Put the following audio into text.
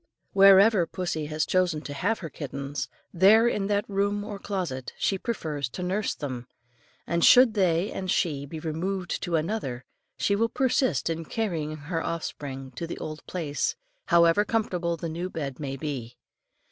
Wherever pussy has chosen to have her kittens, there in that room or closet she prefers to nurse them, and should they and she be removed to another she will persist in carrying her offspring back to the old place, however comfortable the new bed may be.